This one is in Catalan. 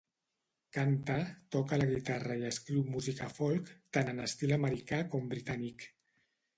Canta, toca la guitarra i escriu música folk tant en estil americà com britànic.